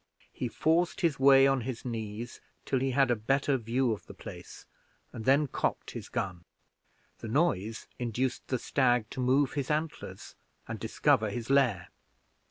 He forced his way on his knees till he had a better view of the place, and then cocked his gun. The noise induced the stag to move his antlers, and discover his lair.